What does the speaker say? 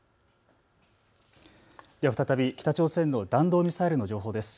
では再び北朝鮮の弾道ミサイルの情報です。